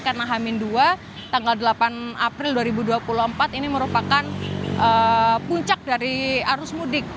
karena hamin dua tanggal delapan april dua ribu dua puluh empat ini merupakan puncak dari arus mudik